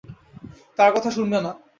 তার কথা শুনবে না!